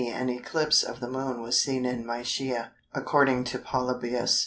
an eclipse of the Moon was seen in Mysia, according to Polybius.